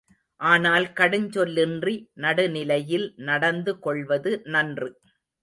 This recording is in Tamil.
ஆனால் கடுஞ்சொல்லின்றி நடுநிலையில் நடந்து கொள்வது நன்று.